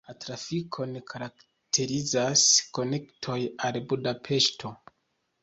La trafikon karakterizas konektoj al Budapeŝto.